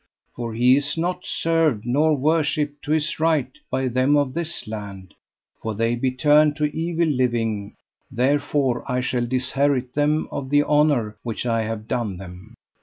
For he is not served nor worshipped to his right by them of this land, for they be turned to evil living; therefore I shall disherit them of the honour which I have done them.